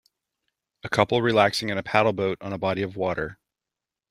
A couple relaxing in a paddle boat on a body of water.